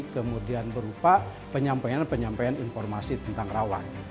kemudian berupa penyampaian penyampaian informasi tentang rawan